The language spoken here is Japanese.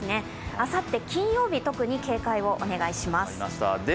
あさって金曜日、特に警戒をお願いします。